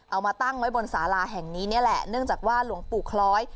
เอามาตั้งไว้บนสาราแห่งนี้นี่แหละเนื่องจากว่าหลวงปู่คล้อย